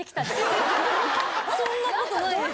そんなことないです。